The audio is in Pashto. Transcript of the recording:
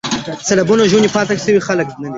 سېلابونو ژوندي پاتې شوي خلک نه